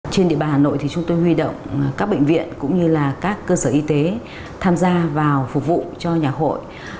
trên địa bàn hà nội thì chúng tôi huy động các bệnh viện cũng như là các cơ sở y tế tham gia vào phục vụ cho nhà hội